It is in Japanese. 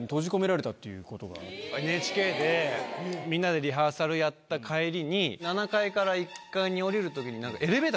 ＮＨＫでみんなでリハーサルやった帰りに７階から１階に降りるときになんか。